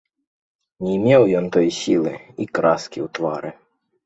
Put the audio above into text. Не меў ён той сілы і краскі ў твары.